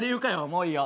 もういいよ。